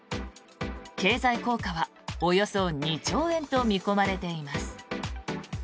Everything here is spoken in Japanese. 経済効果はおよそ２兆円と見込まれています。